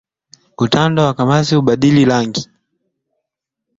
Utando wa kamasi kubadili rangi